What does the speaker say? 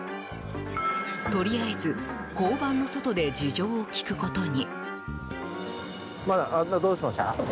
とりあえず交番の外で事情を聴くことに。